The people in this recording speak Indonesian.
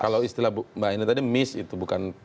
kalau istilah mbak ini tadi miss itu bukan